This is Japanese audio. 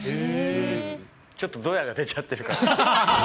ちょっとドヤが出ちゃってる。